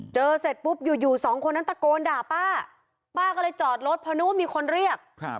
เสร็จปุ๊บอยู่อยู่สองคนนั้นตะโกนด่าป้าป้าก็เลยจอดรถเพราะนึกว่ามีคนเรียก